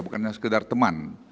bukannya sekedar teman